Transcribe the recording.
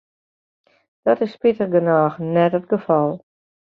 Dat is spitich genôch net it gefal.